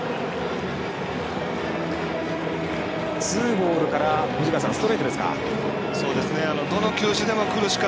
ツーボールから藤川さん、ストレートですか？